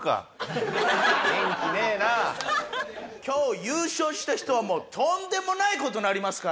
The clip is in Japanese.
今日優勝した人はもうとんでもない事になりますから。